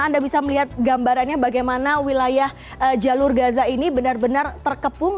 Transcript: anda bisa melihat gambarannya bagaimana wilayah jalur gaza ini benar benar terkepung